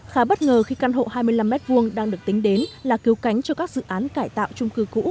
khá bất ngờ khi căn hộ hai mươi năm m hai đang được tính đến là cứu cánh cho các dự án cải tạo trung cư cũ